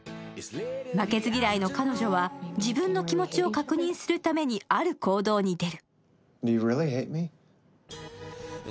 負けず嫌いの彼女は自分の気持ちを確認するためにある行動に出る。